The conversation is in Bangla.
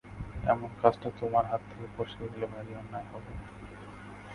এমন কাজটা তোমার হাত থেকে ফসকে গেলে ভারি অন্যায় হবে।